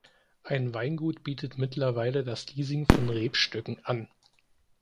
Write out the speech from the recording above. Ein Weingut bietet mittlerweile das Leasing von Rebstöcken an.